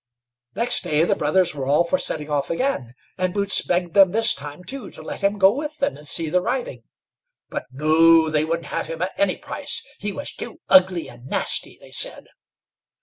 Next day the brothers were all for setting off again, and Boots begged them this time, too, to let him go with them and see the riding; but no, they wouldn't have him at any price, he was too ugly and nasty, they said.